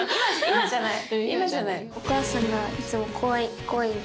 今じゃない。